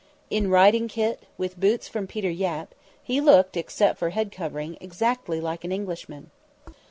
In riding kit, with boots from Peter Yapp, he looked, except for the headcovering, exactly like an Englishman.